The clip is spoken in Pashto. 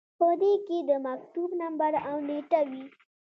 په دې کې د مکتوب نمبر او نیټه وي.